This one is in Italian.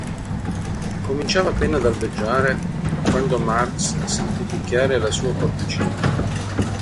Cominciava appena ad albeggiare quando Marx sentì picchiare alla sua porticina.